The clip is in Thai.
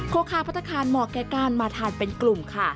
โคคาพัฒนาคารหมอกรายการมาทานเป็นกลุ่มค่ะ